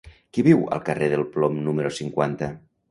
Qui viu al carrer del Plom número cinquanta?